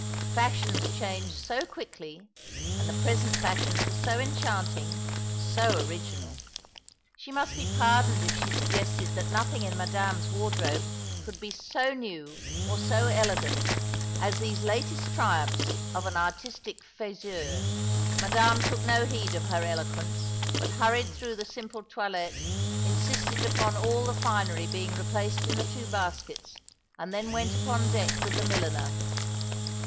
Fashions change so quickly — and the present fashions were so enchanting, so original. She must be pardoned if she suggested that nothing in Madame's wardrobe could be so new or so elegant as these latest triumphs of an artistic faiseur. Madame took no heed of her eloquence, but hurried through the simple toilet, insisted upon all the finery being replaced in the two baskets, and then went upon deck with the milliner.